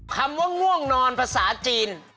คำว่าง่วงนอนภาษาจีน